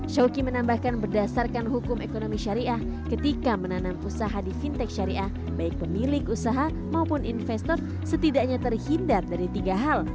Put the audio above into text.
showki menambahkan berdasarkan hukum ekonomi syariah ketika menanam usaha di fintech syariah baik pemilik usaha maupun investor setidaknya terhindar dari tiga hal